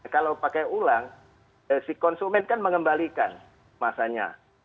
kalau pakai ulang si konsumen kan mengembalikan masanya